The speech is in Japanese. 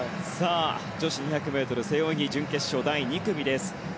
女子２００ｍ背泳ぎ準決勝第２組です。